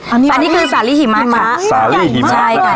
อันนี้คือสาลิหิมะสาลิหิมะใหญ่มากเลยอ่ะ